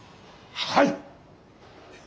はい！